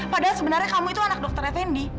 padahal sebenarnya kamu itu anak dokter effendi